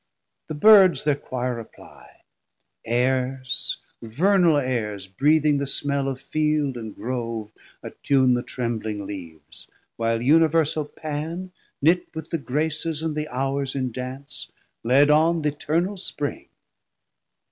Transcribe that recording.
The Birds thir quire apply; aires, vernal aires, Breathing the smell of field and grove, attune The trembling leaves, while Universal Pan Knit with the Graces and the Hours in dance Led on th' Eternal Spring.